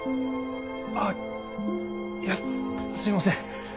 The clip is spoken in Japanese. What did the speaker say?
あっいやすいません。